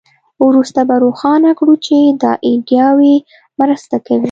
وروسته به روښانه کړو چې دا ایډیاوې مرسته کوي